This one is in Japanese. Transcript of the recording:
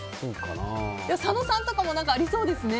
佐野さんとかもありそうですね。